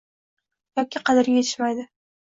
yoki qadriga yetishmaydi.